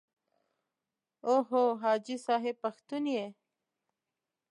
او هو حاجي صاحب پښتون یې.